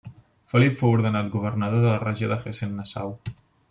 Felip fou ordenat governador de la regió de Hessen-Nassau.